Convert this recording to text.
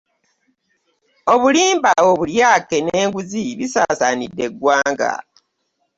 Obulimba obulyake ne nguzi bisasanidde egwanga.